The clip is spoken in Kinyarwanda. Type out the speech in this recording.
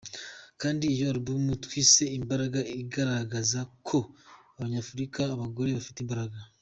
Kandi iyo album twise Imbaraga igaragaza ko abanyafurikakazi, abagore bafite imbaraga.